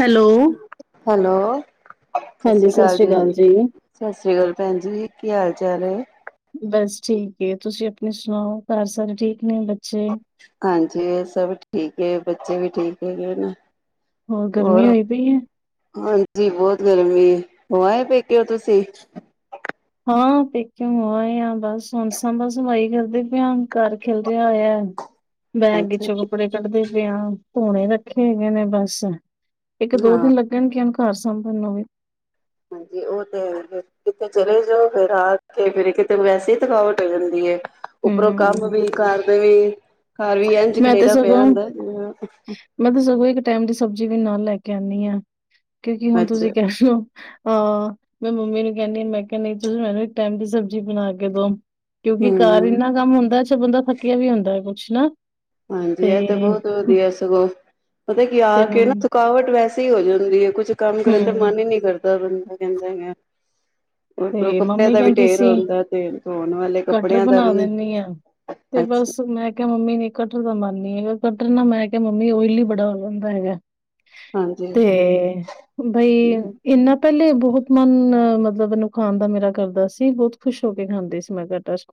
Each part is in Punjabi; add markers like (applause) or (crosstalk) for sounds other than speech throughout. ਹੈਲੋ। ਹੈਲੋ ਸਤਿ ਹਾਂਜੀ, ਸ੍ਰੀ ਸਤਿ ਅਕਾਲ ਸ਼੍ਰੀ ਜੀ ਸਤਿ ਸ੍ਰੀ ਅਕਾਲ ਭੈਣ ਜੀ ਕੀ ਹਾਲ ਚਾਰੇ ਬਸ ਠੀਕ ਤੁਸੀਂ ਆਪਣੀ ਸੁਣਾਓ ਘਰ ਸਾਰੇ ਠੀਕ ਨੇ ਬੱਚੇ? ਹਾਂਜੀ ਇਹ ਸਭ ਠੀਕ ਬੱਚੇ ਵੀ ਠੀਕ ਹੈਗੇ ਨਾ। ਗਰਮੀ ਹੋਰ ਹੋਈ ਪਈ ਏ? ਹਾਂਜੀ ਬਹੁਤ ਗਰਮੀ ਹੋਏ ਪੇਕੇ ਓ ਤੁਸੀਂ ਹਾਂ ਪੇ ਕਿਿ ਹੋ ਆ ਬਸ ਹਣਸਾਂ ਬਸਵਾਾਈ ਕਰਦੇ ਪ ਘਰ ਖਿਲ ਰਿਹਾ ਹੋ ਬੈਗ ਅੱਛਾ ਚੋਂ ਕੱਪੜੇ ਕੱਢਦੇ ਕੁਛ ਕੁ ਧੂਣੇ ਰੱਖੇ ਹੈਗੇ ਨੇ ਬਸ ਇੱਕ ਦੋ ਹਾਂ ਦਿਨ ਲੱਗਣਗੇ। ਘਰ ਸਾਂਭਣ ਨੂੰ ਵੀ ਹਾਂਜੀ ਉਹ ਤੇ ਫ ਕਿਥੇ ਚਲੇ ਜਾਓ ਫੇਰ ਆ ਕੇ ਫਿਰ ਕਿਤੇ ਵੈਸੇ ਹੀ ਥਕਾਵਟ ਹੋ ਜਾਂਦੀ ਹੈ ਉਪਰੋਂ ਕੰਮ ਹੂੰ। ਵੀ ਕਰ ਵੀ ਘਰ ਵੀ ਇੰਝ ਮੈਂ ਤੇ ਖਲੇਰਾ ਪਿਆ ਸਗੋਂ ਹੁੰਦਾ ਮੈਂ ਤੇ ਸਗੋਂ ਇੱਕ ਟਾਈਮ ਦੀ ਸਬਜੀ ਜ ਵੀ ਨਾਲ ਲੈ ਕੇ ਆਉਂਦੀ ਹਾਂ ਕਿਉਂਕਿ ਹੁਣ ਤੁਸੀਂ ਅੱਛਾ ਕਹਿ ਲ ਹੋ ਹਾਂ ਮੈਂ ਮੰਮੀ ਨੂੰ ਕਹਿੰਦੀ ਮੈਂ ਕਿਹਾ ਨਹੀਂ ਤੁਸੀਂ ਮੈਨੂੰ ਇੱਕ ਟਾਈਮ ਦੀ ਸਬਜ਼ੀ ਬਣਾ ਕੇ ਦੋ ਕਿਉਂਕਿ ਘਰ ਹਮ ਇੰਨਾ ਕੰਮ ਹੁੰਦਾ ਚ ਬੰਦਾ ਥੱਕਿਆ ਵੀ ਹੁੰਦਾ ਨਾ ਹਾਂਜੀ ਤੇ ਇਹ ਤਾਂ ਬਹੁਤ ਵਧੀਆ ਸਗੋਂ ਪਤਾ ਕੀ ਆ ਤੇ ਕੇ ਮੰਮ ਨਾ ਥਕਾਵਟ ਵੈਸੇ ਹੋ ਜਾਂਦੀ ਹੈ ਕੁਛ ਕੰਮ ਕਰਨ ਦਾ ਹੂੰ ਮਨ ਹੀ ਨਹੀਂ ਕਰਦਾ ਕਿੰਦਾ ਉਪਰੋਂ ਤੇ ਕੱਪੜਿਆਂ ਮੰਮੀ ਦਾ ਵੀ ਕਹਿੰਦੀ ਢੇਰ ਸੀ ਹੁੰਦਾ ਤੇ ਧੋਣ ਵਾਲੇ ਕਟਰ ਕੱਪੜਿਆਂ ਦਾ ਬਣਾ ਵੀ ਦਿੰਨੀ ਆ ਤੇ ਅੱਛਾ ਬਸ ਮੈਂ ਕਿਹਾ ਮੰਮੀ ਨੇ ਕਟਰ ਦਾ ਮਨ ਨੀ ਹੈਗਾ ਕੱਟਰ ਨਾਲ ਮੈਂ ਕਿਹਾ ਮੰਮੀ ਓਲ ਹੀ ਬੜਾ ਹੋ ਜਾਂਦਾ ਹੈਗਾ ਹਾਂਜੀ ਤੇ ਬਈ ਹੂੰ ਇਨਾ ਪਹਿਲੇ ਬਹੁਤ ਮਨ, ਮਤਲਬ ਇਹਨੂੰ ਖਾਣ ਦਾ ਮੇਰਾ ਕਰਦਾ ਸੀ ਬਹੁਤ ਖੁਸ਼ ਹੋ ਕੇ ਖਾਂਦੀ ਸੀ ਮੈਂ ਤੇ ਬੱਸ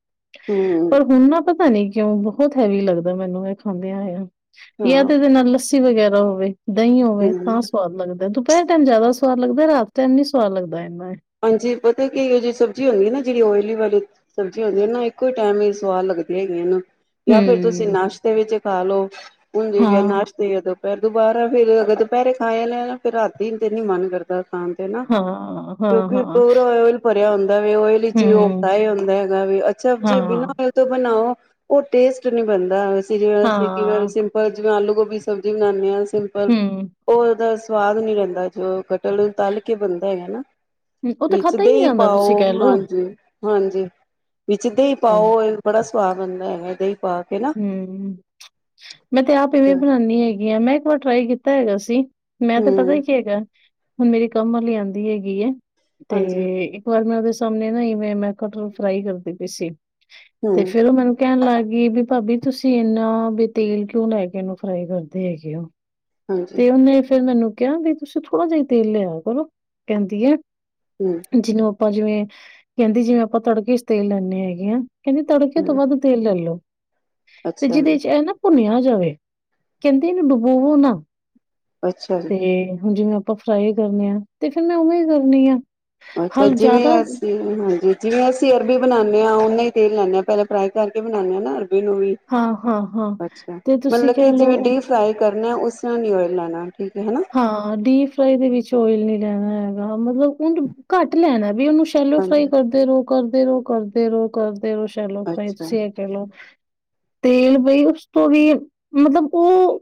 ਪਰ ਹੁਣ ਨਾ ਪਤਾ ਨੀ ਕਿਉਂ ਬਹੁਤ ਹੈਵੀ ਲੱਗਦਾ ਮੈਨੂੰ ਇਹ ਖਾਂਦਿਆਂ ਆ ਯ ਤੇ ਹਾਂ ਏਹਦੇ ਨਾਲ ਲੱਸੀ ਵਗੈਰਾ ਹੋਵੇ ਦਹੀਂ ਹੋਵੇ ਹੂੰ ਤਾਂ ਸਵਾਦ ਲੱਗਦਾ ਦੁੱ ਪਹਿਰ ਟਾਈਮਿਆਦਾ ਸੁਵਾਦ ਲੱਗਦਾ ਰਾਤ ਟਾਈਮ ਨੀ ਸੁਵਾਦ ਲੱਗਦਾ ਇਹਨਾ ਹਾਂਜੀ ਪਤਾ ਕੀ ਇਹੋ ਜਿਹੀ ਸਬਜ਼ੀ ਹੁੰਦੀ ਨਾ ਜਿਹੜੀ ਓਇਲੀ ਵਾਲੀ ਸਬਜ਼ੀ ਹੁੰਦੀ ਨਾ ਇੱਕੋ ਹੀ ਟਾਈਮ ਸਵਾਦ ਲੱਗਦੀ ਹੈਗੀ ਇਹਨੂੰ ਜਾਂ ਫੇਰ ਤੁਸੀਂ ਹੂੰ, ਨਸ਼ਤੇ ਵਿੱਚ ਖਾ ਲਓ ਹੁਣ ਤੇ ਹਾਂ, ਨਾਸ਼ਤੇ ਇਹਦੇ ਫੇਰ ਦੁਬਾਰਾ ਫੇਰ, ਦੁਪਹਿਰੇ ਖਾਆ ਲੈਦੇ ਨਾ ਫਿਰ ਰਾਤੀ ਦਿਨ ਤੇ ਨਹੀ ਮਨ ਕਰਦਾ ਖਾਨ ਤੇ ਨਾ ਹਾਂ, ਹਾਂ, ਕਿਉਕਿ ਹਾਂ, ਪੂਰਾ ਓਇਲ ਭਰਿਆ ਹੁੰਦਾ ਓਇਲ ਵਿਚ ਔਹ ਹੂੰ, ਫਿਰਾਈ ਹੁੰਦਾ ਹੈਗਾ ਅੱਛਾ ਜੇ ਹਾਂ, ਬਿਨਾਂ ਓਇਲ ਤੋਂ ਬ ਉਹ ਟੇਸਟ ਨੀ ਬੰਦਾ ਜਿਵੇਂ ਹਾਂ, ਸਿੰਪਲ ਜਿਵੇਂ ਆਲੂ ਗੋਭੀ ਸਬਜ਼ੀ ਬਣਾਂਦੇ ਹਾਂ ਸਿੰਪਲ, ਹੂੰ ਔਰ ਦਸ ਸਵਾਦ ਨੀ ਰਹਿੰਦਾ ਜੋ ਕਟਲ ਤਲ ਕੇ ਬਣਦਾ ਹੈਗਾ ਹੂੰ, ਉਹ ਤਾਂ ਵਿੱਚ ਖਾਧਾ ਹੀ ਨੀ ਦਹੀਂ ਜਾਂਦਾ ਤੁਸੀਂ ਪਾਓ ਕਹਿ ਲਓ ਹਾਂਜੀ ਹਾਂਜੀ ਵਿੱਚ ਦਹੀਂ ਪਾਓ ਬੜਾ ਸੁਆਦ ਬੰਦਾ ਹੈਗਾ ਇਹ ਹਮ ਮੈਂ ਤੇ ਆਪ ਇਵੇਂ ਬਣਾਉਨੀ ਹੈਗੀ ਆ ਮੈਂ ਇੱਕ ਵਾਰ ਟਰਾਈ ਕੀਤਾ ਹੈਗਾ ਸੀ ਮੈਂ ਤੇ ਪਤਾ ਹਮ ਹੀ ਕੀ ਹੈਗਾ ਹੁਣ ਮੇਰੀ ਕੰਮ ਵਾਲੀ ਆਉਂਦੀ ਹੈਗੀ ਹੈ ਤੇ ਹਾਂਜੀ ਇੱਕ ਵਾਰ ਮੈਂ ਉਹਦੇ ਸਾਹਮਣੇ ਨਾ ਏਹਵੇਂ ਮੈਂ ਕਟਰ ਫਰਾਈ ਕਰਦੀ ਪਈ ਸੀ ਤੇ ਹਮ ਫੇਰ ਉਹ ਮੈਨੂੰ ਕਹਿਣ ਲੱਗ ਗਈ ਵੀ ਭਾਬੀ ਤੁਸੀਂ ਇੰਨਾ ਵੀ ਤੇਲ ਕਿਉਂ ਲੈ ਕੇ ਇਹਨੂੰ ਫਰਾਈ ਕਰਦੇ ਹੈਗੇ ਹੋ ਹਾਂਜੀ ਤੇ ਉਹਨੇ ਫੇਰ ਮੈਨੂੰ ਕਿਹਾ ਤੁਸੀਂ ਥੋੜਾ ਜਿਹਾ ਤੇਲ ਲਿਆ ਕਰੋ ਕਹਿੰਦੀ ਆ ਹਮ ਜਿਹ ਨੂੰ ਜਿਵੇਂ ਕਹਿੰਦੀ ਜਿਵੇਂ ਆਪਾਂ ਤੜਕੇ ਚ' ਤੇਲ ਲੈਂਦੇ ਹੈਗੇ ਆ ਕਹਿੰਦੀ ਤੜਕੇਆ ਤੋਂ ਵਦ ਤੇਲ ਲੈਲੋ ਤੇ ਅੱਛਾ ਜੀ ਜਿਹਦੇ ਚ' ਇਹ ਨਾ ਪੁੁਨਿਆ ਜਿਵੇ ਕਹਿੰਦੇ ਇਹ ਨੂੰ ਡੁਬੋਵੋ ਨਾ ਅੱਛਾ ਜੀ ਤੇ ਹੁਣ ਜਿਵੇਂ ਆਪਾਂ ਫਰਾਈ ਕਰਨੇ ਆ ਤੇ ਫਿਰ ਮੈਂ ਉਵੇਂ ਹੀ ਕਰਨੀ ਆ ਅੱਜ ਕੱਲ ਹਲ ਜਿਵੇਂ ਜ਼ਿਆਦਾ ਅਸੀਂ ਮਨਾਦੇ ਆਂ ਜਿਵੇਂ ਅਸੀਂ ਅਰਬੀ ਬਣਾਨੇ ਉਹਨਾ ਹੀ ਤੇਲ ਲਾਨੇ ਆ ਪਹਿਲਾਂ ਫਰਾਈ ਕਰਕੇ ਬਣਾਨੇ ਹਾਂ ਨਾ ਅਰੀ ਉਹ ਨੂੰ ਵੀ ਹਾਂ-ਹਾਂ-ਹਾਂ ਅੱਛਾ ਤੇ ਤੁਸੀਂ ਮਤਲਬ ਕਿ ਕਹਿ ਜਿਵੇਂ ਲਓ ਡੀ ਫਰਾਈ ਕਰ (unintelligible) ਉਸ ਤਰਾ ਨੀ ਓਈਲ ਲਾਨਾ, ਹਾਂ ਡੀਪ ਫਰਾਈ ਦੇ ਵਿੱਚ ਓਇਲ ਨਹੀ ਰਹਿਣਾ ਹੈਗਾ ਮਤਲਬ ਉਹਨੂ ਘੱਟ ਲੈਣਾ ਵੀ ਉਹਨੂੰ ਸ਼ੈਲੋ ਹਾਂਜੀ ਫਰਾਈ ਕਰਦੇ ਰਹੋ ਕਰਦੇ ਰਹੋ ਕਰਦੇ ਰਹੋ ਕਰਦੇ ਤੇਲ ਵਿੱਚ ਸੈਲੋ ਫਰਾਈ ਅੱਛਾ ਤੁਸੀਂ ਇਹ ਸੇਵ ਕਰ ਲਓ ਤੇਲ ਪਈ ਉਸ ਤੋਂ ਵੀ ਮਤਲਬ ਉਹ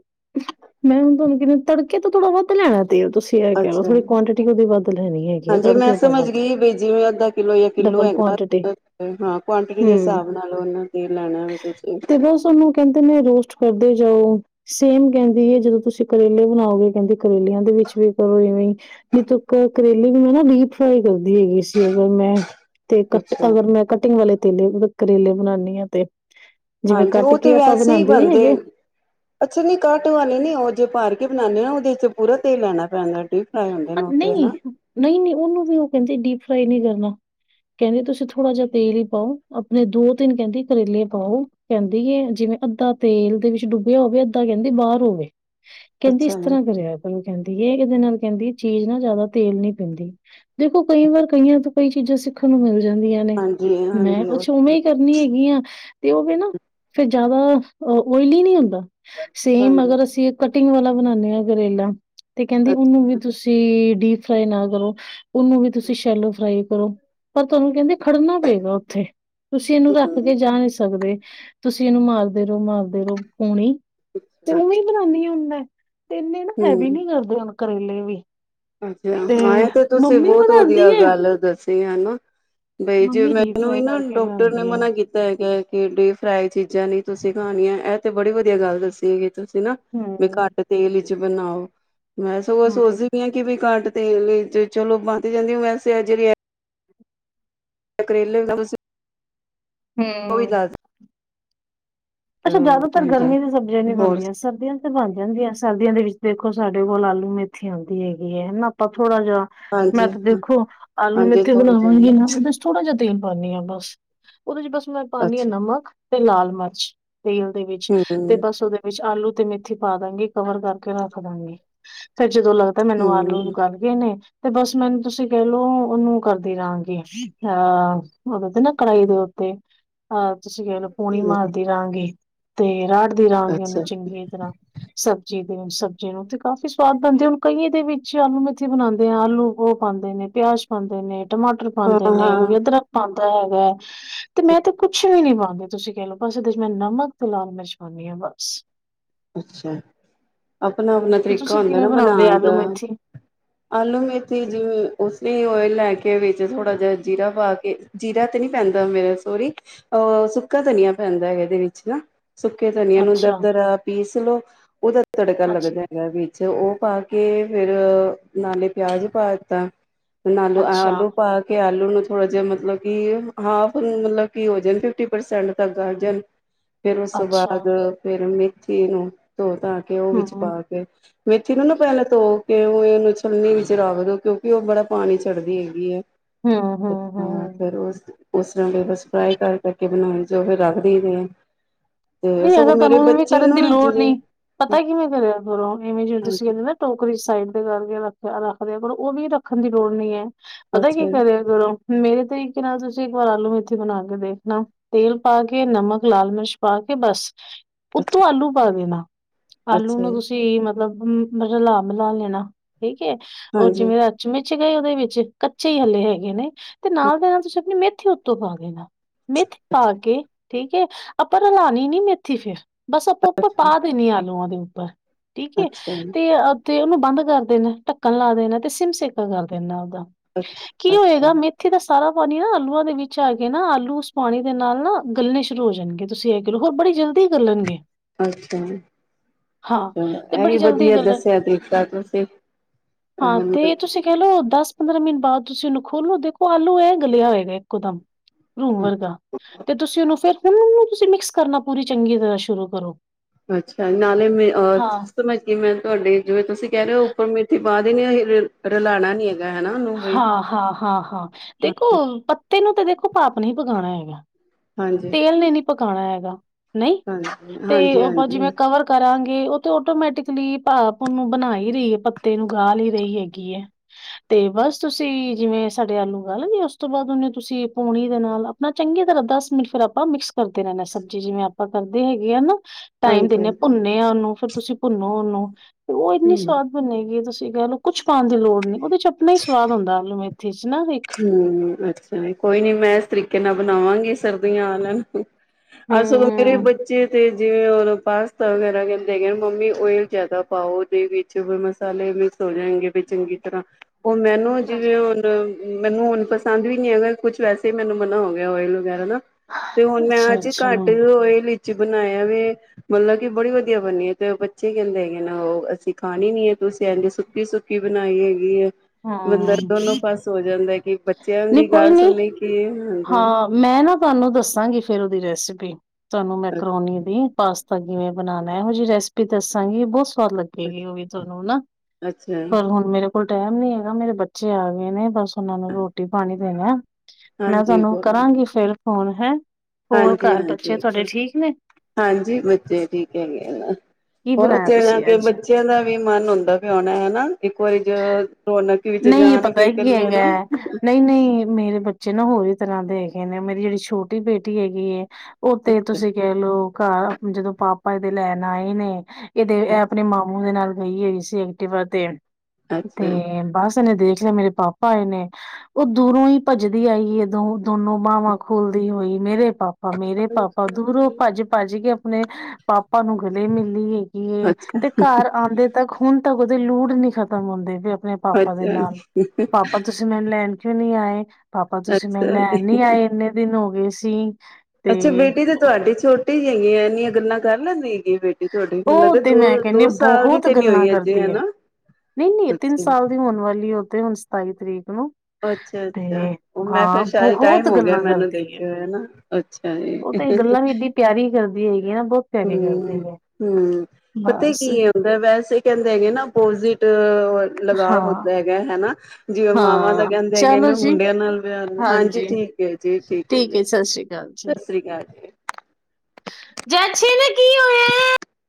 ਮੈਂ ਹੁਣ ਤੁਹਾਨੂੰ ਕਿਹ ਤੜਕਾ ਤੇਲ ਥੋੜਾ ਬਹੁਤ ਲੈਣਾ ਔ ਤੁਸੀਂ ਇਹ ਕਹਿ ਲਓ ਅੱਛਾ ਥੋੜੀ ਕੁਆਂਟਿਟੀ ਉਹਦੀ ਵੱਧ ਲੈਣੀ ਹੈਗੀ ਆ ਹਾਂਜੀ ਤੜਕੇ ਮੈਂ ਉਹ ਤੋਂ ਸਮਝ ਵੱਧ ਗਈ ਵੀ ਜਿਵੇਂ ਅੱਧਾ ਕਿੱਲੋ ਜਾਂ ਕਿੱਲੋ ਡਬਲ ਹੈਗਾ ਕੁਆਂਟਿਟੀ ਹਾਂ ਕੁਆਂਟਿਟੀ ਦੇ ਹੂੰ ਹਿਸਾਬ ਨਾਲ ਉਹਨਾਂ ਤੇਲ ਲੈਣਾ ਵੀ ਤੁਸੀਂ ਤੇ ਬਸ ਓਨੂੰ ਕਹਿੰਦੇ ਨੇ ਰੋਸਟ ਕਰਦੇ ਜਾਓ ਸੇਮ ਕਹਿੰਦੀ ਹੈ ਜਦੋਂ ਤੁਸੀਂ ਕਰੇਲੇ ਬਣਾਓਗੇ ਕਹਿੰਦੇ ਕਰੇਲੀਆਂ ਦੇ ਵਿੱਚ ਵੀ ਕਰੋ ਇਵੇਂ ਨੀਤ ਕਰੇਲੇ ਵੀ ਮੈਂ ਨਾ ਡੀਪ ਫਰਾਈ ਕਰੋ ਹੈਗੀ ਸੀ ਅਗਰ ਮੈਂ ਤੇ ਕੱਟ ਅੱਛਾ ਅਗਰ ਮੈਂ ਕਟਿੰਗ ਵਾਲੇ ਲੇ ਕਰੇਲੇ ਬਣਾਨੀ ਆ ਤੇ ਜਿਵੇਂ ਹਾਂਜੀ ਕੱਟ ਉਹ ਤੇ ਕੇ ਆਪਾਂ ਵੈਸੇ ਹੀ ਬਣਾਉਂਦੇ ਨੀ ਬਣਦੇ ਹੈਗੇ ਅੱਛਾ ਨੀ ਕਟ ਵਾਲੀ ਨੀ ਉਹ ਜੇ ਭਰ ਕੇ ਬਣਾਦੇ ਉਹਦੇ ਚ' ਪੂਰਾ ਤੇਲ ਲੈਣਾ ਪੈਂਦਾ ਡੀਪ ਫਰਾਈ ਹੁੰਦੇ ਹਾਂ ਨੇ ਉਹ ਤੇ ਹਨਾ ਨਹੀ-ਨਹੀ-ਨਹੀ ਉਹਨੂੰ ਵੀ ਉਹ ਕਹਿੰਦੇ ਡੀਪ ਫਰਾਈ ਨਹੀ ਕਰ ਕਹਿੰਦੀ ਤੁਸੀਂ ਥੋੜਾ ਜਹਾ ਤੇਲ ਹੀ ਪਾਓ ਆਪਣੇ ਦੋ ਤਿੰਨ ਕਹਿੰਦੀ ਕਰੇਲੇ ਪਾਓ ਕਹਿੰਦੀ ਹੈ, ਜਿਵੇਂ ਅੱਧਾ ਤੇਲ ਦੇ ਵਿੱਚ ਡੁੱਬਿਆ ਹੋਵੇ ਅੱਧਾ ਕਹਿੰਦੀ ਬਾਹਰ ਹੋਵੇ ਕਹਿੰਦੀ ਇਸ ਅੱਛਾ ਜੀ ਤਰ੍ਹਾਂ ਕਰਿਆ ਕਰੋ ਕਹਿੰਦੀ ਇਹ ਦੇ ਨਾਲ ਕਹਿੰਦੀ ਚੀਜ਼ ਨਾ ਜ਼ਿਆਦਾ ਤੇਲ ਨਹੀ ਪੈਂਦੀ ਦੇਖੋ ਕਈ ਵਾਰ ਕਈਆਂ ਤੋਂ ਕਈ ਚੀਜ਼ਾਂ ਸਿੱਖਣ ਨੂੰ ਮਿਲਦੀ ਜਾਂਦੀਆਂ ਨੇ ਹਾਂਜੀ ਮੈਂ, ਮੈਂ ਹਾਂਜੀ ਪੁੱਛਿਆ ਨਹੀ ਕਰਨੀ ਹੈਗੀਆਂ ਤੇ ਉਹ ਵੀ ਨਾ ਫੇਰ ਜ਼ਿਆਦਾ ਓਇਲੀ ਨੀ ਹੁੰਦਾ ਸੇਮ ਹਾਂਜੀ ਅਗਰ ਅਸੀਂ ਕਟਿੰਗ ਵਾਲਾ ਬਣਾਨੇ ਹਾਂ ਕਰੇਲਾ ਤੇ ਕਹਿੰਦੀ ਉਹਨੂੰ ਵੀ ਅੱਛਾ ਡੀਪ ਫਰਾਈ ਨਾ ਕਰੋ ਉਹਨੂੰ ਵੀ ਤੁਸੀਂ ਸ਼ੈਲੋ ਫਰਾਈ ਕਰੋ ਪਰ ਤੁਹਾਨੂੰ ਕਹਿੰਦੇ ਖੜਨਾ ਪਏਗਾ ਉੱਥੇ ਤੁਸੀਂ ਇਹਨੂੰ ਰੱਖ ਹਮ ਕੇ ਜਾ ਨਹੀਂ ਸਕਦੇ ਤੁਸੀਂ ਇਹਨੂੰ ਮਾਰਦੇ ਰਹੋ ਮਾਰਦੇ ਰਹੋ ਪੂਣੀ ਤੇ ਉਵੇਂ ਬਣਾਉਾਨਦੀ ਹ ਹੁਣ ਮੈਂ (unintelligible) ਇਨੇੱ ਨਾ ਹੈਵੀ ਨੀ ਕਰਦਾ ਕਰੇਲੇ ਵੀ (unintelligible) ਅੱਛਾ ਹਾਂਏ ਤੇ ਤੁਸੀਂ ਮੰਮੀ ਬਹੁਤ ਬਣਾਉਂਦੀ ਵਧੀਆ ਏ ਗੱਲ ਦੱਸ ਸੀ ਹੈ ਨਾ ਬਈ ਜੇ ਮੰਮੀ ਡੀਪ ਮੈਨੂੰ ਵੀ ਫਰਾਈ ਨਾ ਕਰਕੇ ਡਾਕਟਰ ਨੇ ਬਣਾਉਂਦੀ ਹੈ ਮਨਾ ਕੀਤਾ ਹੈਗਾ ਹੈ ਜਿਵੇਂ ਡੀਪ ਫਰਾਈ ਚੀਜ਼ਾਂ ਨੀ ਤੁਸੀਂ ਖਾਣੀੀਆਂ ਇਹ ਤੇ ਬੜੀ ਵਧੀਆ ਗੱਲ ਦੱਸੀ ਹੈਗੀ ਤੁਸੀਂ ਨਾ ਬੲਈ ਹਮ ਘੱਟ ਤੇਲ ਵਿੱਚ ਬਣਾਓ ਮੈਂ ਸਗੋ ਸੋਚਦੀ ਹਮ ਕਿ ਵੀ ਘਟ ਤੇਲ ਦੇ ਵਿਚ ਚਲੋ ਬਨ ਜਾਂਦੀ ਵੈਸੇ ਏ ਜਿਹੜੀਯਾਂ ਤ ਕਰੇਲੇ ਉਹ ਵੀ ਹਮ ਦੱਸ ਅੱਛਾ ਜਿਆਦਾਤਰ ਹਾਂਜੀ ਗਰਮੀ ਦੀ ਸਬਜ਼ੀਆਂ ਨੀ ਹੋਰ ਬਣਦੀਆਂ ਸਰਦੀਆਂ ਤੇ ਬਣ ਜਾਂਦੀਆਂ ਸਰਦੀਆਂ ਦੇ ਵਿੱਚ ਦੇਖੋ ਸਾਡੇ ਕੋਲ ਆਲੂ ਮੇਥੀ ਆਉਂਦੀ ਹੈਗੀ ਹੈ ਨਾ ਆਪਾਂ ਥੋੜਾ ਜਿਹਾ ਮੈਂ ਹਾਂਜੀ ਤਾਂ ਦੇਖੋ ਆਲੂ ਹਾਂਜੀ ਮੇਥੀ ਥੋੜੇ ਜਿਹੇ ਬਣਾਵਾਂਗੀ ਨਾ ਉਹਦੇ ਚ ਥੋੜਾ ਜਿਹਾ ਤੇਲ ਪਾਨੀ ਆ ਬਸ ਉਹਦੇ ਚ ਬਸ ਮੈਂ ਪਾਂਨੀ ਹਾਂ ਅੱਛਾ ਨਮਕ ਤੇ ਲਾਲ ਮਰਚ ਤੇਲ ਦੇ ਵਿੱਚ ਤੇ ਬਸ ਉਹਦੇ ਵਿੱਚ ਆਲੂ ਤੇ ਮੇਥੀ ਪਾ ਦਾਂਗੀ ਕਵਰ ਕਰਕੇ ਰੱਖ ਦਾਂਗੀ ਤੇ ਜਦੋਂ ਲੱਗਦਾ ਮੈਨੂੰ ਆਲੂ ਹੂੰ-ਹੂੰ, ਗਲ ਗਏ ਨੇ ਤੇ ਬਸ ਮੈਨੂੰ ਤੁਸੀਂ ਕਹਿਲਓ ਉਹਨੂੰ ਕਰਦੀ ਰਹਾਂਗੀ ਅਹ ਦੇ ਤੇ ਨਾ ਕੜਾਹੀ ਦੇ ਉੱਤੇ ਹਾਂ ਤੁਸੀਂ ਕਹਿ ਲਓ ਪੋਣੀ ਮਾਰਦੀ ਤੇ ਰਾੜ ਦੀ ਰਾਂਗ ਅੱਛਾ ਉਹਨੂੰ ਚੰਗੀ ਤਰ੍ਹਾਂ ਸਬਜ਼ੀ ਸਬਜ਼ੀ ਨੂੰ ਤੇ ਕਾਫ਼ੀ ਸਵਾਦ ਬਣਦੇ ਹੁਣ ਕਈਏ ਦੇ ਵਿੱਚ ਆਲੂ ਮੇਥੀ ਬਣਾਉਂਦੇ ਆ ਆਲੂ ਉਹ ਪਾਉਂਦੇ ਨੇ ਪਿਆਜ ਪਾਉਂਦੇ ਨੇ ਟਮਾਟਰ ਪਾਉਂਦੇ ਨੇ ਹਾਂ-ਹਾਂ, ਕੋਈ ਅਦਰਕ ਪਾਉਂ ਹੈਗਾ ਹੈ ਤੇ ਮੈਂ ਤੇ ਕੁਛ ਵੀ ਨੀ ਮੰਣਦੀ ਤੁਸੀਂ ਕਹਿ ਲਓ ਬਸ ਮੈਂ ਨਮਕ ਤੇ ਲਾਲ ਮਿਰਚ ਪਾਉਂਦੀ ਆ ਬਸ ਅੱਛਾ ਆਪਣਾ ਆਪਣਾ ਤੇ ਤਰੀਕਾ ਤੁਸੀਂ ਹੁੰਦਾ ਕਿਵੇਂ ਨਾ ਬਣਾਉਂਦੇ ਬਣਾਉਣ ਆਲੂ ਦਾ ਮੇਥੀ ਆਲੂ ਮੇਥੀ ਜਿਵੇਂ ਉਸਨੇ ਓਇਲ ਲੈ ਕੇ ਵਿੱਚ ਥੋੜਾ ਜਿਹਾ ਜੀਰਾ ਪਾ ਕੇ ਜੀਰਾ ਤੇ ਨੀ ਪੈਂਦਾ ਮੇਰਾ ਸੋਰੀ ਅਹ ਸੁੱਕਾ ਧਨੀਆ ਪੈਂਦਾ ਹੈ ਇਹਦੇ ਵਿੱਚ ਨਾ ਸੁੱਕੇ ਧਨੀਆ ਨੂੰ ਦਰ ਅੱਛਾ ਦਰ ਪੀਸ ਲਓ ਉਹਦਾ ਤੜਕਾ ਅੱਛਾ ਲੱਗਦਾ ਹੈਗਾ ਵੀ ਤੇ ਉਹ ਪਾ ਕੇ ਫਿਰ ਨਾਲੇ ਪਿਆਜ ਪਾ ਦਿੱਤਾ। ਆਲੂ ਅੱਛਾ, ਆਲੂ ਪਾ ਕੇ ਥੋੜਾ ਜਿਹਾ ਮਤਲਬ ਹਾਫ ਮਤਲਬ ਕੀ ਹੋ ਜਾ ਫਿਟੀ ਪਰਸੈਂਟ ਤ ਗ ਫੇਰ ਉਸ ਤੋਂ ਅੱਛਾ, ਬਾਅਦ ਫੇਰ ਮ ਮੇਥੀ ਨੂੰ ਤੋ ਤਾ ਕੇ ਉਹ ਹੂੰ, ਵਿੱਚ ਪਾ ਕੇ ਮੇਥੀ ਨੂੰ ਨਾ ਪਹਿਲਾਂ ਤੋ ਕੇ ਉਹ ਇਹਨੂੰ ਛਲਣੀ ਵੀ ਚਰਾਵੇ ਕਿਉਂਕਿ ਉਹ ਬੜਾ ਪਾਣੀ ਚੜ੍ਹਦੀ ਹੈਗੀ ਹੈ ਹੂੰ, ਅ ਹੂੰ, ਹਾਂ ਹੂੰ। ਫਿਰ ਉਸ ਉਸ ਤਰ੍ਹਾਂ ਵੀ ਬਸ ਫਰਾਈ ਕਰ ਕਰਕੇ ਬਣਾਉਈ ਜੋ ਫਿਰ ਰੱਖਦੀਦੇ ਆ ਤੇ ਨਹੀਂ ਸਗੋਂ ਅਗਰ ਮੇਰੇ ਤੁਹਾਨੂੰ ਇਵੇਂ ਬੱਚੇ ਕਰਨ ਦੀ ਨਾ ਲੋੜ ਜਿਵੇਂ ਨਹੀਂ ਪਤਾ ਕਿਵੇਂ ਕਰਿਆ ਕਰੋਂ ਇਵੇਂ ਜਿਵੇਂ ਤੁਸੀਂ ਹਾਂਜੀ ਕਹਿੰਦੇ ਨਾ ਟੋਕਰੀ ਸਾਈਡ ਦੇ ਕਰਕੇ ਰੱਖਦੇ ਆ ਪਰ ਉਹ ਵੀ ਰੱਖਣ ਦੀ ਲੋੜ ਨਹੀਂ ਹੈ। ਪਤਾ ਕੀ ਅੱਛਾ ਜੀ ਕਰਿਆ ਕਰੋਂ ਮੇਰੇ ਤਰੀਕੇ ਨਾਲ ਤੁਸੀਂ ਇੱਕ ਵਾਰ ਆਲੂ ਮੇਥੀ ਬਣਾ ਕੇ ਦੇਖਣਾ ਤੇਲ ਪਾ ਕੇ ਨਮਕ ਲਾਲ ਮਿਰਚ ਪਾ ਕੇ ਬਸ ਉੱਤੋਂ ਅੱਛਾ ਆਲੂ ਪਾ ਦੇਣਾ ਆਲੂ ਅੱਛਾ ਨੂੰ ਜੀ ਤੁਸੀਂ ਮਤਲਬ ਰਲਾ ਬ ਲ ਲੈਣਾ ਠੀਕ ਹੈ ਰ ਹਾਂਜੀ ਜਿਵੇਂ ਅਚਮ ਗਏ ਉਹਦੇ ਵਿੱਚ ਕੱਚੇ ਹੀ ਹੱਲੇ ਹੈਗੇ ਨੇ ਤੇ ਨਾਲ ਦੇ ਨਾਲ ਤੁਸੀਂ ਆਪਣੀ ਮਿਹ ਮੇਥੀ ਉਤੋ ਪਾ ਦੇਣਾ ਨਾ ਮੇਥੀ ਅੱਛਾ ਪਾ ਅੱਛਾ ਕੇ ਠੀਕ ਏ। ਆਪਾਂ ਨਾ ਰਾਤ ਣੀ ਨੀ ਮੈਂ ਇਥੀ ਫੇਰ ਬਸ ਪ ਉੱਪ ਜੀ ਪਾ ਦੇਣੀ ਆਲੂਆਂ ਦੇ ਬ ਠੀਕ ਏ ਤੇ ਅੱਛਾ ਅ ਤੇ ਉਹਨੂੰ ਬੰਦ ਕਰ ਦੇਣਾ, ਢੱਕਣ ਲਾ ਦੇਣਾ ਤੇ ਸਿਮ ਸੇਕਾ ਕਰ ਦੇਣਾ। ਕੀ ਅੱਛਾ ਹੋਏਗਾ ਮੇਥੀ ਦਾ ਸਾਰਾ ਪਾਣੀ ਨਾ ਆਲੂਆਂ ਦੇ ਵਿੱਚ ਆਗੇ ਨਾ ਆਲੂ ਉਸ ਪਾਣੀ ਦੇ ਨਾਲ ਨਾ ਗਲਣੇ ਸ਼ੁਰੂ ਹੋ ਜਾਣਗੇ। ਤੁਸੀਂ ਹੈਗੇ ਹੋਰ ਬੜੀ ਜਲਦੀ ਗਲਣਗੇ। ਅੱਛਾ ਜੀ, ਹਾਂ ਚਲੋ ਤੇ ਇਹ ਵੀ ਬੜੀ ਜਲਦੀ ਵਧੀਆ ਗਲਣ ਦੱਸਿਆ ਤਰੀਕਾ ਤੁਸੀਂ ਹਾਂ ਮਤਲਬ ਤੇ ਤੁਸੀਂ ਕਹਿ ਲਓ ਦਸ ਪੰਦਰਾਂ ਮਿੰਨ ਬਾਅਦ ਤੁਸੀਂ ਉਹਨੂੰ ਖੋਲੋ ਦੇਖੋ ਆਲੂ ਇਹਂ ਗਲਿਆ ਹੋਏਗਾ ਇੱਕਦਮ। ਰੂ ਵਰਗਾ ਤੇ ਤੁਸੀਂ ਉਹਨੂੰ ਫੇਰ ਮੂੰ ਨੂੰ ਤੁਸੀਂ ਮਿਕਸ - ਕਰਨਾ ਪੂਰੀ ਚੰਗੀ ਤਰ੍ਹਾਂ ਸ਼ੁਰੂ ਕਰੋ। ਅੱਛਾ, ਨਾਲੇ ਮੈਂ ਔਰ ਹਾਂ ਸਮ ਕੀ ਮੈਂ ਤੁਹਾਡੇ ਜਿਵੇਂ ਤੁਸੀਂ ਕਹਿ ਰਹੇ ਹੋ। ਉੱਪਰ ਮੇਥੀ ਪਾਾਹ ਦੇ ਨੇ ਹੋ ਰਲਾਣਾ ਨਹੀਂ ਹੈ। ਹਾ, ਹਾ, ਹਾ, ਹਾ। ਦੇਖੋ। ਹਾਂਜੀ ਤੈਨੂੰ ਤੇ ਦੇਖੋ ਪਾਪ ਨਹੀਂ ਪਗਾਣਾ ਹੈਗਾ। ਹਾਂਜੀ ਤੇਲ ਨੇ ਨੀ ਪਕਾਣਾ ਹੈਗਾ। ਨਹੀਂ ਹਾਂਜੀ ਤੇ ਹਾਂਜੀ ਜਿਵੇੈਂ ਕਵਰ ਕਰਾਂਗੇ ਉਹ ਤੇ ਆਟੋਮੈਟਿਕਲੀ ਭਾਪ ਉਹਨੂੰ ਬਣਾ ਹੀ ਰਹੀ ਪੱਤੇ ਨੂੰ ਗਾਲ ਹੀ ਰਹੀ ਹੈਗੀ ਹੈ ਤੇ ਬਸ ਤੁਸੀਂ ਜਿਵੇਂ ਸਾਡੇ ਆਲੂ ਗਲਣੀ ਉਸ ਤੋਂ ਬਾਅਦ ਉਹਨੇ ਤੁਸੀਂ ਪੂਣੀ ਦੇ ਨਾਲ ਆਪਣਾ ਚੰਗੀ ਤਰ੍ਹਾਂ ਦਸ ਮਿੰਟ ਫਿਰ ਆਪਾਂ ਮਿਕਸ ਕਰਦੇ ਰਹਿੰਦੇ ਸਬਜ਼ੀ ਜਿਵੇਂ ਆਪਾਂ ਕਰਦੇ ਹੈਗੇ ਆ ਨਾ। ਟਾਈਮ ਹਾਂਜੀ ਦਿੰਨੇ ਭੁੰਨੇ ਆ ਉਹਨੂੰ। ਤੁਸੀਂ ਭੁੰਨੋ ਉਨੂੰ। ਤੇ ਉਹ ਇੰਨੀ ਹਮ ਸਵਾਦ ਬਣੇਗੀ ਤੁ ਕਹਿਲੋ ਕੁੱਛ ਪਾਣ ਦੀ ਲੋੜ ਨਹੀਂ ਉਹਦੇ ਚ ਸਵਾਦ ਹੁੰਦਾ ਆਲੂ ਮੇ ਹੂੰ, ਅੱਛਾ ਕੋਈ ਨੀ ਮੈਂ ਇਸ ਤਰੀਕੇ ਕਿਹਨਾ ਬਣਾਵਾਂਗੇ ਸਰਦੀਆਂ ਆਲਨ। ਹੂੰ ਅਸਲ ਮੇਰੇ ਹੂੰ ਬੱਚੇ ਤੇ ਜਿਵੇਂ ਪਾਸਤਾ ਵਗੈਰਾ ਕਹਿੰਦੇ ਹੈਗੇ ਮੰਮੀ ਓਇਲ ਜਿਆਦਾ ਪਾਓ ਉਹਦੇ ਵਿੱਚ ਮਸਾਲੇ ਮਿਕਸ ਹੋ ਜਾਣਗੇ ਵੀ ਚੰਗੀ ਤਰ੍ਹਾਂ। ਉਹ ਮੈਨੂੰ ਜਿਵੇਂ ਹੁਣ ਮੈਨੂੰ ਹੁਣ ਪਸੰਦ ਵੀ ਨੀ ਹੈਗਾ ਕੁਛ ਵੈਸੇ ਮੈਨੂੰ ਮਨਾ ਹੋਵੇ। ਓਇਲ ਵਗੈਰਾ ਦਾ ਤੇ ਹੁਣ ਮੈਂ ਅੱਛਾ ਅੱਜ ਅੱਛਾ ਘੱਟ ਓਇਲ ਬਣਾਇਆ ਵ ਮਤਲਬ ਕਿ ਬੜੀ ਵਧੀਆ ਬਣਨੀਏ ਤੇ ਬੱਚੇ ਕਹਿੰਦੇ ਹੈਗੇ ਨਾ ਉਹ ਅਸੀਂ ਖਾਣੀ ਨੀ ਹੈ ਤੁਸੀਂ ਇਹਦੇ ਸੁੱਕੀ-ਸੁੱਕੀ ਬਣਾਈ ਹੈਗੀ ਹੈ ਬਲਬ ਹਾਂ ਦੋਨੋ ਪਾਸੇ (inaudible) ਕਿ ਬੱਚਿਆਂ ਨਹੀਂ ਦੀ ਕੋਈ ਗੱਲ ਨੀ ਸੁਣੀ ਕਿ ਹਾਂ ਮੈਂ ਨਾ ਤੁਹਾਨੂੰ ਦੱਸਾਂਗੀ ਫੇਰ ਉਹਦੀ ਰੈਸਿਪੀ ਤੁਹਾਨੂੰ ਮੈ ਅੱਛਾ ਕਰੋਨੀ ਦੀ ਪਾਸ ਤਾਂ ਕਿਵੇਂ ਬਣਾਉਣਾ ਇਹੋ ਜਿਹੀ ਰੈਸਪੀ ਦੱਸਾਂਗੀ ਬਹੁਤ ਸਦ ਲੱਗੇਗੀ ਉਹ ਵੀ ਤੁਹਾਨੂੰ ਹਨ ਅੱਛਾ ਪਰ ਹੁਣ ਮੇਰੇ ਕੋਲ ਟਾਈਮ ਨੀ ਹੈਗਾ ਮੇਰੇ ਬੱਚੇ ਆ ਗਏ ਨੇ ਬਸ ਉਹਨਾਂ ਨੂੰ ਰੋਟੀ ਪਾਣੀ (unintelligible) ਮੈਂ ਤੁਹਾਨੂੰ ਕਰਾਂਗੀ ਫੇਿਰ ਹੁਣ ਹੈਂ ਹਾਂਜੀ-ਹਾਂਜੀ ਹਾਂਜੀ ਬੱਚੇ ਠੀਕ ਹੈਗੇ ਕੀ ਹੋਰ ਬਣਾਇਆ ਓਥੇ ਜਾ ਤੁਸੀਂ ਕੇ ਅੱਜ ਬੱਚਿਆਂ ਦਾ ਵੀ ਮਨ ਹੁੰਦਾ ਵੀ ਆਉਣਾ ਹਨਾ ਇੱਕ ਵਾਰੀ ਰੌਣਕ ਵਿੱਚ ਨਹੀਂ ਜਾਣ ਪਤਾ ਫਿਰ ਕ ਕੀ ਹੈਗਾ ਨਾ ਨਹੀਂ ਨਹੀਂ ਮੇਰੇ ਬੱਚੇ ਹੋਰ ਹੀ ਤਰ੍ਹਾਂ ਦੇਖਹੇ ਨੇ ਮੇਰੀ ਜਿਹੜੀ ਛੋਟੀ ਬੇਟੀ ਹੈਗੀ ਏ ਉਹ ਤੇ ਤੁਸੀਂ ਕਹਿ ਲੋਓ ਘਰ ਜਦੋਂ ਪਾਪਾ ਇਹਦੇ ਲੈਣ ਆਏ ਨੇ ਇਹਦੇ ਇਹ ਆਪਣੇ ਮਾਮੂ ਦੇ ਨਾਲ ਗਈ-ਗਈ ਸੀ ਐਕਟਿਵਾ ਦੇਣ ਤੇ ਅੱਛਾ ਬਸ ਨੇ ਦੇਖ ਲਿਆ ਮੇਰੇ ਪਾਪਾ ਆਏ ਨੇ ਉਹ ਦੂਰੋਂ ਹੀ ਭੱਜ ਦੀ ਆਈ ਉਦੋਂ ਦੋਨੋ ਬਾਹਵਾਂ ਖੋਲਦੀ ਹੋਈ ਮੇਰੇ ਪਾਪਾ ਮੇਰੇ ਪਾਪਾ ਦੂਰੋਂ ਭੱਜ-ਭੱਜ ਕੇ ਆਪਣੇ ਪਾਪਾ ਨੂੰ ਗਲੇ ਮਿਲਲੀ ਹੈਗੀ ਤੇ ਅੱਛਾ ਘਰ ਆਉਂਦੇ ਤੱਕ ਹੁਣ ਤ ਦੇ ਲੂੜ ਨੀ ਖ਼ਤਮ ਹੁੰਦੇ ਵੀ ਆਪਣੇ ਪਾਪਾ ਦੇ ਅੱਛਾ ਨਾਲ ਅੱਛਾ ਪਾਪਾ ਤੁਸੀਂ ਮੈਨੂੰ ਲੈਣ ਕਿਉਂ ਨਹੀਂੀ ਆਏ (inaudible) ਪਾਪਾ ਤੁਸੀਂ ਮੈਂ ਅੱਛਾ ਲੈਣ ਜੀ ਨੀ ਆਏ ਇੰਨੇ ਦਿਨ ਹੋ ਗਏ ਸੀ (inaudible) ਤੇ ਅੱਛਾ, ਬੇਟੀ ਤੇ ਤੁਹਾਡੀ ਛੋਟੀ ਈਆਂ ਹੈਗੀਆ, ਇੰਨੀਆਂ ਗੱਲਾਂ ਕਰ ਲੈਂਦੀ ਏ। ਬੇਟੀ ਤੁਹਾਡੇ ਵੀ ਮੈਨੂੰ ਉਹ ਲੱਗਦਾ, ਤੇ ਮੈਂ ਦੋ ਕਹਿੰਦੀ ਦੋ ਸਾਲ ਦੀ ਬਹੁਤ ਤੇ ਨੀ ਗੱਲਾਂ ਹੋਈ, ਅਜੇ ਕਰਦੀ ਹੈ ਹਨਾ। ਨਹੀਂ ਨਹੀਂ, ਤਿੰਨ ਅੱਛਾ ਸਾਲ ਦੀ ਹੋਣ ਵਾਲੀ ਹੋ ਤੇ ਹੁਣ ਸਤਾਈ ਤਰੀਕ ਨੂੰ ਅੱਛਾ ਤੇ ਅੱਛਾ, ਉਹ ਮੈਂ ਹਾਂ ਫੇਰ ਸ਼ਾਇਦ ਬਹੁਤ ਟਾਈਮ ਹੋ ਗਿਆ ਗੱਲਾਂ ਮੈਨੂੰ ਕਰਦੀ ਏ। ਦੇਖਿਆ ਨਾ, ਅੱਛਾ ਜੀ। ਉਹ ਤੇ ਗੱਲਾਂ ਵੀ ਏਡੀ ਪਿਆਰੀ ਕਰਦੀ ਹੈਗੀ ਨਾ ਬਹੁਤ ਪਿਆਰੀ ਕਰਦੀ ਹੂੰ, ਹੈ। ਹੂੰ, ਪਤਾ ਬਸ ਕੀ ਹੁੰਦਾ, ਵੈਸੇ ਕਹਿੰਦੇ ਹੈਗੇ ਨਾ (unintelligible) ਲਗਾਵ ਹਾਂ। ਹੁੰਦਾ ਹੈਗਾ ਹਨਾ। ਜਿਵੇ ਮਾਵਾਂ ਤਾਂ ਹਾਂ ਕਹਿੰਦੇ ਹੈਗੇ ਚਲੋ ਨੇ ਜੀ ਮੁੰਡਿਆਂ ਨਾਲ, ਹਾਂਜੀ ਠੀਕ ਹੈ, ਜੀ ਠੀਕ ਹੈ ਜੀ, ਸਤਿ ਸ੍ਰੀ ਅਕਾਲ ਜੀ। ਜੈਛੀਨ ਕੀ ਹੋਇਆ ਏ।